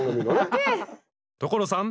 所さん